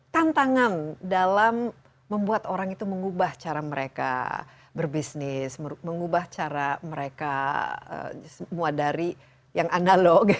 tantangan dalam membuat orang itu mengubah cara mereka berbisnis mengubah cara mereka semua dari yang analog